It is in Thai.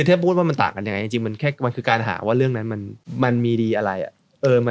ถ้าพูดว่ามันต่างกันยังไงจริงมันแค่มันคือการหาว่าเรื่องนั้นมันมีดีอะไรอ่ะ